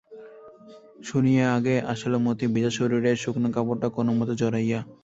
শুনিয়া আগে আসিল মতি, ভিজা শরীরে শুকনো কাপড়টা কোনোমতে জড়াইয়া।